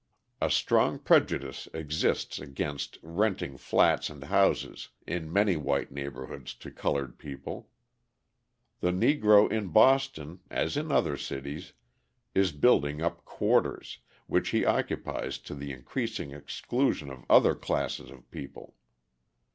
A strong prejudice exists against renting flats and houses in many white neighbourhoods to coloured people. The Negro in Boston, as in other cities, is building up "quarters," which he occupies to the increasing exclusion of other classes of people.